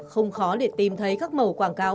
không khó để tìm thấy các màu quảng cáo